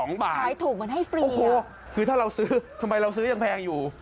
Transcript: ขายบาทขายถูกเหมือนให้ฟรีโอ้โหคือถ้าเราซื้อทำไมเราซื้อยังแพงอยู่